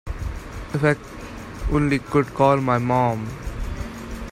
If I only could call my mom.